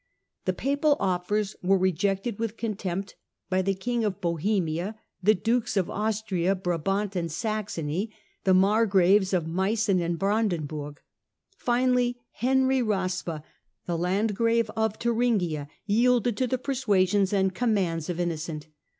The papal offers were rejected with contempt by the King of Bohemia, the Dukes of Austria, Brabant and Saxony, the Margraves of Meissen and Branden burg. Finally, Henry Raspe, the Landgrave of Thuringia, yielded to the persuasions and commands of Innocent.